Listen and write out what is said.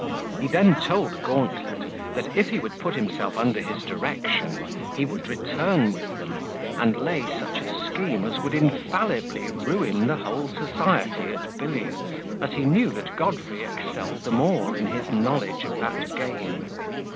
He then told Gauntlet, that, if he would put himself under his direction, he would return with them, and lay such a scheme as would infallibly ruin the whole society at billiards, as he knew that Godfrey excelled them all in his knowledge of that game.